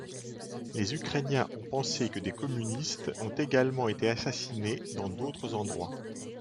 Les ukrainiens ont pensé que des communistes ont également été assassinés dans d'autres endroits.